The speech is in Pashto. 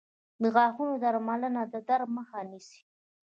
• د غاښونو درملنه د درد مخه نیسي.